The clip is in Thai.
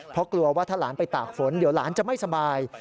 เพราะกลัวว่าถ้าหลานไปตากฝนเดี๋ยวหลานจะไม่สบาย